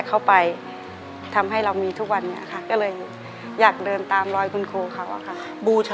ในแคมเปญพิเศษเกมต่อชีวิตโรงเรียนของหนู